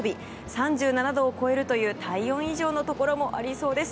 ３７度を超える体温以上のところもありそうです。